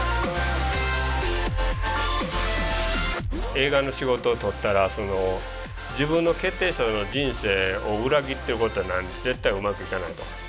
映画の仕事を取ったら自分の決定した人生を裏切ってることになるんで絶対うまくいかないと。